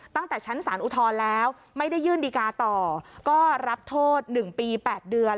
ตั้งแต่ชั้นสารอุทธรณ์แล้วไม่ได้ยื่นดีการ์ต่อก็รับโทษ๑ปี๘เดือน